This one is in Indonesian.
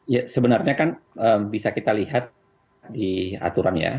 ya sebenarnya kan bisa kita lihat di aturan ya